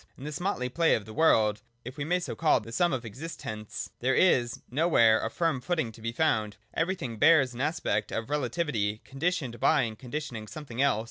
In this motley play of the world, if we may so call the sum of existents, there is nowhere a firm footing to be found : ever3fthing bears an aspect of relativity, conditioned by and conditioning something else.